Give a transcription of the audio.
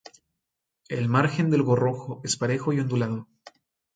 El margen del gorro es parejo y ondulado.